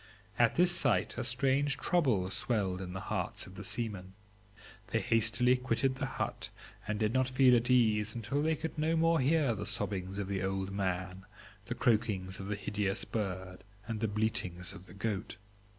At this sight a strange trouble swelled in the hearts of the seamen; they hastily quitted the hut, and did not feel at ease until they could no more hear the sobbings of the old man, the croakings of the hideous bird, and the bleatings of the goat.